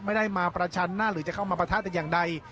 ไม่ได้มาประชันหน้าหรือจะเข้ามาปะทะแต่อย่างใด